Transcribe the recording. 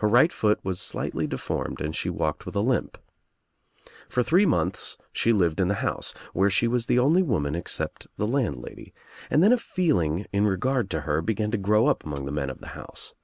Her right foot was slightly deformed and she walked with a limp. For three months she lived in the house — where she was the only woman except the landlady — and then a feel ing in regard to her began to grow up among the men of the house.